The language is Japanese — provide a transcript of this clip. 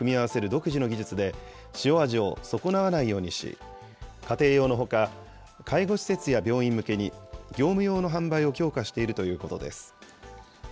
独自の技術で、塩味を損なわないようにし、家庭用のほか、介護施設や病院向けに、業務用の販売を強化しているということです。